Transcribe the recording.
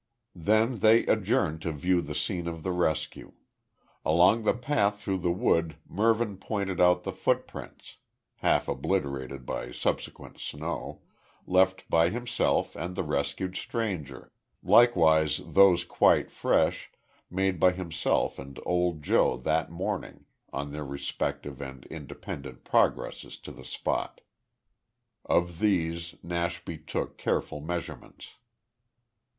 Then they adjourned to view the scene of the rescue. Along the path through the wood Mervyn pointed out the footprints half obliterated by subsequent snow left by himself and the rescued stranger, likewise those quite fresh, made by himself and old Joe that morning on their respective and independent progresses to the spot. Of these Nashby took careful measurements.